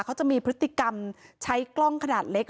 เขาจะมีพฤติกรรมใช้กล้องขนาดเล็ก